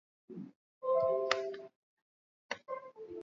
Ini kuvimba na kuwa laini zaidi